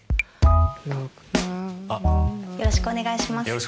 よろしくお願いします。